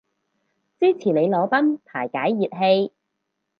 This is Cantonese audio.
支持你裸奔排解熱氣